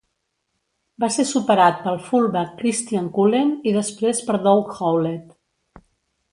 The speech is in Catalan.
Va ser superat pel fullback Christian Cullen i després per Doug Howlett.